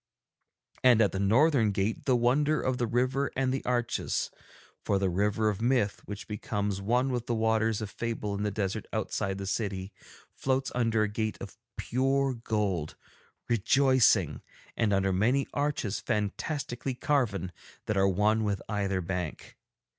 And at the northern gate the wonder of the river and the arches, for the River of Myth, which becomes one with the Waters of Fable in the desert outside the city, floats under a gate of pure gold, rejoicing, and under many arches fantastically carven that are one with either bank.